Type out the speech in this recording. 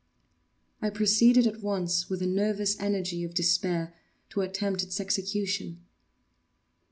I proceeded at once, with the nervous energy of despair, to attempt its execution.